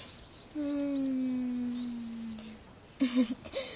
うん。